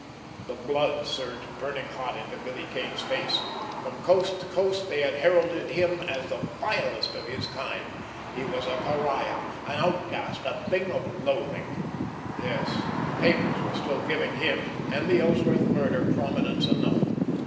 The blood surged burning hot into Billy Kane's face. From coast to coast they had heralded him as the vilest of his kind—he was a pariah, an outcast, a thing of loathing! Yes, the papers were still giving him and the Ellsworth murder prominence enough!